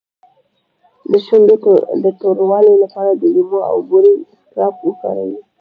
د شونډو د توروالي لپاره د لیمو او بورې اسکراب وکاروئ